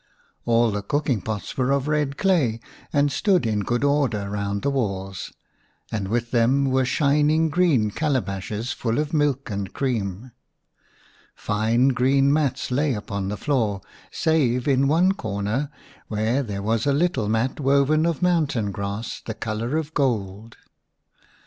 All the cooking pots were of red clay, and stood in good order round the walls, and with them were shining green calabashes full of milk and creams Fine green mats lay on the floor, save in one corner where there was a little mat woven of mountain grass the colour of gold.